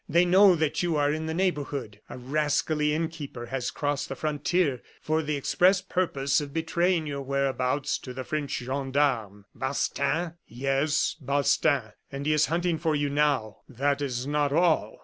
They know that you are in the neighborhood. A rascally innkeeper has crossed the frontier for the express purpose of betraying your whereabouts to the French gendarmes." "Balstain?" "Yes, Balstain; and he is hunting for you now. That is not all.